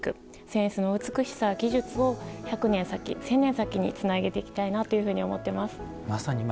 扇子の美しさ、技術を１００年先、１０００年先につなげていきたいなというふうに思っています。